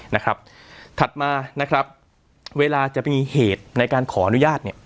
นะครับถัดมานะครับเวลาจะมีเหตุในการขออนุญาตเนี่ย